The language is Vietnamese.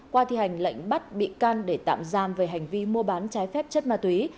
qua thi hành lệnh bắt bị can để tạm giam về hành vi mua bán trái phép chất ma túy